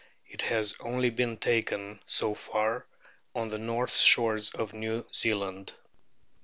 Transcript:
It has only been taken, so far, on the shores of New Zealand.